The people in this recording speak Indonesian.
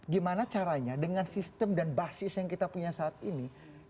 gimana caranya dengan sistem dan basis yang kita punya saat ini